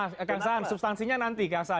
terlalu perdebatannya terlalu tinggi